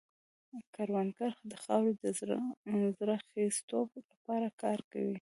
کروندګر د خاورې د زرخېزتوب لپاره کار کوي